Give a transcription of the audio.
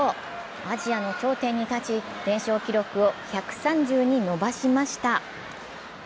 アジアの頂点に立ち連勝記録を１３０に伸ばしました。